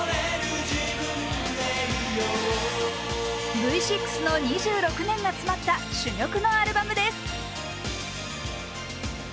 Ｖ６の２６年が詰まった珠玉のアルバムです。